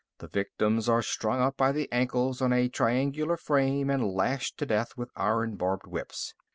The victims are strung up by the ankles on a triangular frame and lashed to death with iron barbed whips.